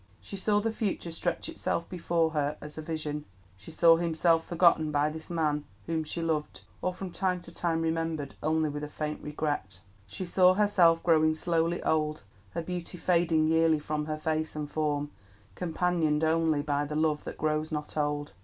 She saw the future stretch itself before her as a vision. She saw herself forgotten by this man whom she loved, or from time to time remembered only with a faint regret. She saw herself growing slowly old, her beauty fading yearly from her face and form, companioned only by the love that grows not old.